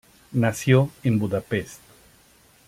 Nació en Budapest.